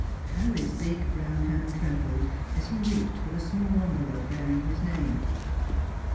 Harry's big brown hand trembled as he reached for the small envelope bearing his name.